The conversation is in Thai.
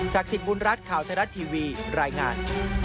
ศักดิ์สิทธิ์บุญรัฐข่าวทะลัดทีวีรายงาน